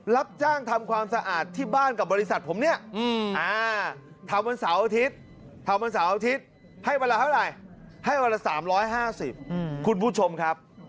รับจ้างทำความสะอาดที่บ้านกับบริษัทผมเนี่ยอ่าทำวันสาวอาทิตย์ทำวันสาวอาทิตย์ให้เวลาเท่าไหร่ให้เวลา๓๕๐